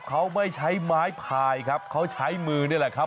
เขาไม่ใช้ไม้พายครับเขาใช้มือนี่แหละครับ